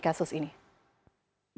apa yang terjadi saat ini